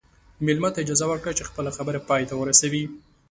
مېلمه ته اجازه ورکړه چې خپله خبره پای ته ورسوي.